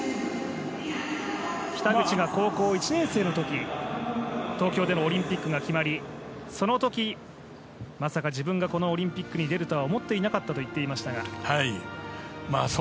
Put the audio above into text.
北口が高校１年生の時東京でのオリンピックが決まりその時、まさか自分がこのオリンピックに出るとは思っていなかったと言っていましたが。